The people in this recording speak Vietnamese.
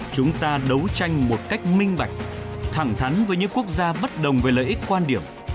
chúng ta đấu tranh một cách minh bạch thẳng thắn với những quốc gia bất đồng về lợi ích quan điểm